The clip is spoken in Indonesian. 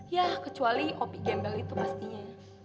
yah kecuali opie gembel itu pastinya